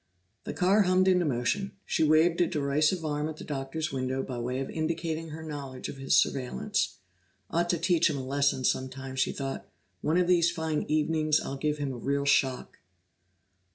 The car hummed into motion; she waved a derisive arm at the Doctor's window by way of indicating her knowledge of his surveillance. "Ought to teach him a lesson some time," she thought. "One of these fine evenings I'll give him a real shock."